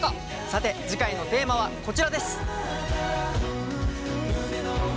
さて次回のテーマはこちらです。